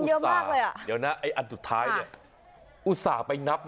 เดี๋ยวนะอะอันทุดท้ายนี้